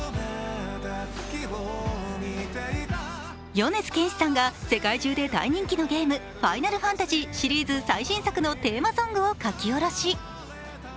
米津玄師さんが世界中で大人気のゲーム、「ファイナルファンタジー」シリーズ最新作のテーマソングを書き下ろし。